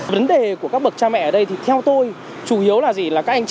vấn đề của các bậc cha mẹ ở đây thì theo tôi